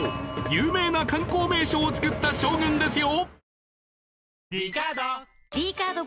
有名な観光名所を造った将軍ですよ！